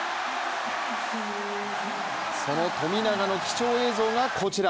その富永の貴重映像がこちら。